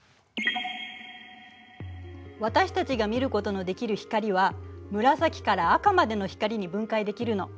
私たちが見ることのできる光は紫から赤までの光に分解できるの。